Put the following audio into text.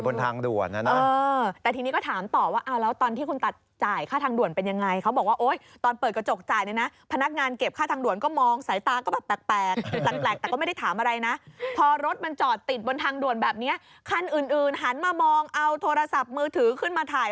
แล้วเกิดมันอยากเข้ามาข้างในบ้าน